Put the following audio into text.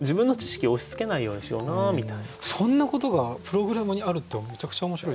結構あんまりねそんなことがプログラムにあるってめちゃくちゃ面白いですよね。